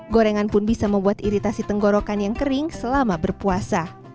gorengan pun bisa membuat iritasi tenggorokan yang kering selama berpuasa